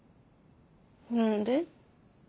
何で？